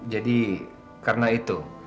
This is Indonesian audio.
jadi karena itu